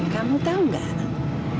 kamu tahu gak